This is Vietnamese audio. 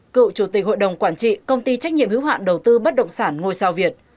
cựu chủ tịch hội đồng quản trị công ty trách nhiệm hữu hạn đầu tư bất động sản ngôi sao việt